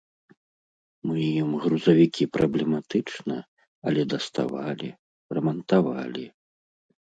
Мы ім грузавікі праблематычна, але даставалі, рамантавалі.